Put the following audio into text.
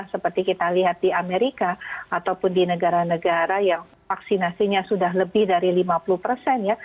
seperti kita lihat di amerika ataupun di negara negara yang vaksinasinya sudah lebih dari lima puluh persen ya